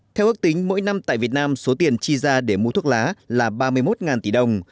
theo ước tính mỗi năm tại việt nam số tiền chi ra để mua thuốc lá là ba mươi một tỷ đồng